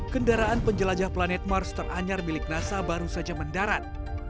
kendaraan penjelajah planet mars teranyar milik nasa baru saja mendarat